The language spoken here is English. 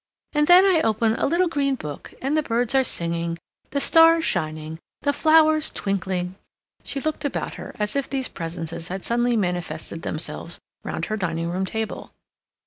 And then I open a little green book, and the birds are singing, the stars shining, the flowers twinkling—" She looked about her as if these presences had suddenly manifested themselves round her dining room table.